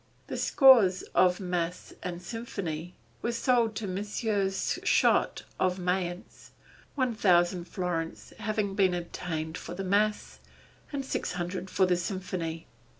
The scores of the Mass and Symphony were sold to Messrs. Schott of Mayence, one thousand florins having been obtained for the Mass, and six hundred for the Symphony.